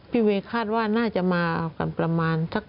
พี่เมคาดว่าน่าจะมากันประมาณสัก๒คน